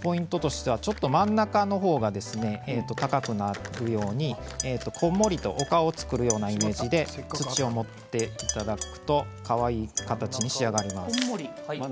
ポイントとしては真ん中の方が高くなるようにこんもりと丘を作るようなイメージで土を盛っていただくとかわいい形に仕上がります。